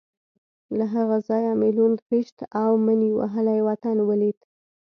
له هغه ځایه مې لوند، خېشت او مني وهلی وطن ولید.